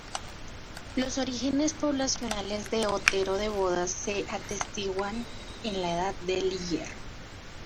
Los orígenes poblacionales de Otero de Bodas se atestiguan en la Edad del Hierro.